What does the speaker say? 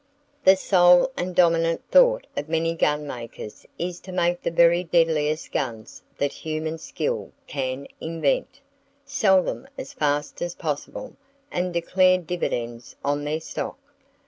The sole and dominant thought of many gunmakers is to make the very deadliest guns that human skill can invent, sell them as fast as [Page 146] possible, and declare dividends on their stock.